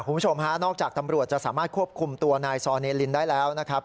คุณผู้ชมฮะนอกจากตำรวจจะสามารถควบคุมตัวนายซอเนลินได้แล้วนะครับ